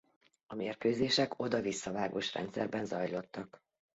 A mérkőzések oda-visszavágós rendszerben zajlottak.